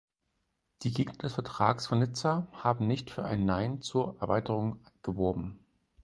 Die Gegner des Vertrags von Nizza haben nicht für ein Nein zur Erweiterung geworben.